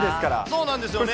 そうなんですよね。